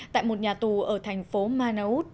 tại một nhà tù ở thành phố manaut